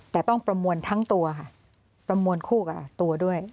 แต่ต้องประมวลทั้งตัวค่ะประมวลคู่กับตัวด้วย